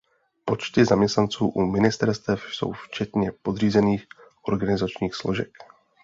Počty zaměstnanců u ministerstev jsou včetně podřízených organizačních složek.